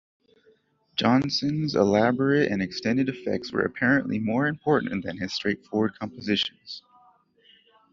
Johnson's elaborate and extended effects were apparently more important than his straightforward compositions.